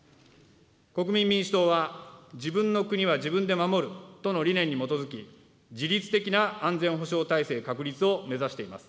国民民主党は自分の国は自分で守るとの理念に基づき、自立的な安全保障体制確立を目指しています。